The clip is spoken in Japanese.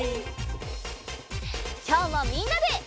きょうもみんなで。